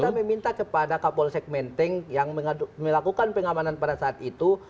kita meminta kepada kapol segmenteng yang melakukan pengamanan pada saat itu